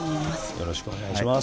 よろしくお願いします。